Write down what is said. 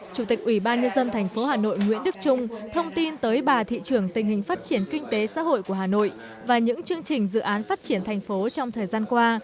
chủ tịch ủy ban nhân dân thành phố hà nội nguyễn đức trung thông tin tới bà thị trưởng tình hình phát triển kinh tế xã hội của hà nội và những chương trình dự án phát triển thành phố trong thời gian qua